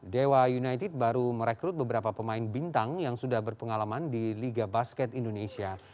dewa united baru merekrut beberapa pemain bintang yang sudah berpengalaman di liga basket indonesia